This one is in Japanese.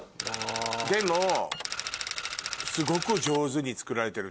でもすごく上手に作られてると思う。